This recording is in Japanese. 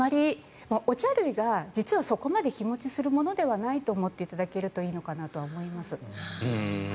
お茶類が実はそこまで日持ちするものじゃないと思っていただけるといいかと思います。